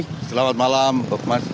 selamat malam pak keman